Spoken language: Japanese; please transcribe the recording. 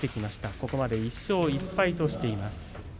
ここまで１勝１敗としています。